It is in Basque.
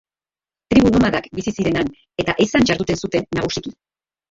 Tribu nomadak bizi ziren han eta ehizan jarduten zuten, nagusiki.